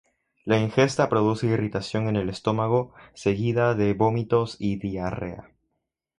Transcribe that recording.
La ingesta produce irritación en el estómago, seguida de vómitos y diarrea.